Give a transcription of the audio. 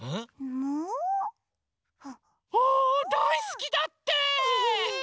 むう？あだいすきだって！